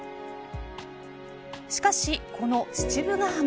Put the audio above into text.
しかし、この父母ヶ浜